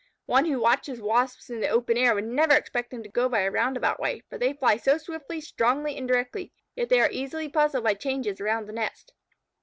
One who watches Wasps in the open air would never expect them to go by a roundabout way, for they fly so swiftly, strongly, and directly, yet they are easily puzzled by changes around the nest.